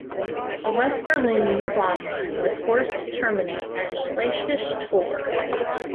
The West Berlin U-Bahn line was forced to terminate at Schlesisches Tor.